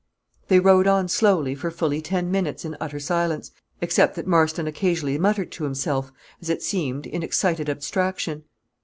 They rode on slowly for fully ten minutes in utter silence, except that Marston occasionally muttered to himself, as it seemed, in excited abstraction.